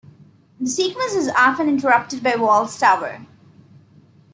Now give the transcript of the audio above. The sequence is often interrupted by walls tower.